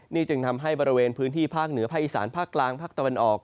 นี่จึงทำให้บริเวณพื้นที่ภาคเหนือภาคอีสานภาคกลางภาคตะวันออก